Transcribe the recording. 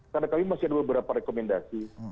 karena kami masih ada beberapa rekomendasi